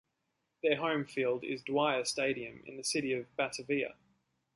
Their home field is Dwyer Stadium in the city of Batavia.